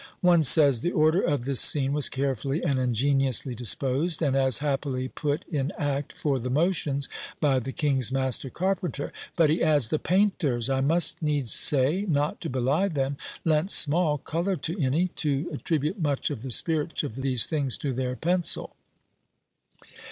One says, "The order of this scene was carefully and ingeniously disposed, and as happily put in act (for the motions) by the king's master carpenter;" but he adds, "the painters, I must needs say (not to belie them), lent small colour to any, to attribute much of the spirit of these things to their pencil."